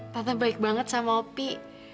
tante baik banget sama opi